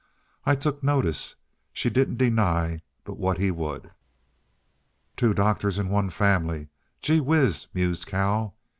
I took notice she didn't deny but what he would." "Two doctors in one family gee whiz!" mused Cal.